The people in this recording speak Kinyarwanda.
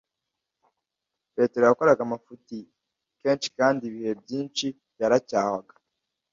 Petero yakoraga amafuti kenshi kandi ibihe byinshi yaracyahwaga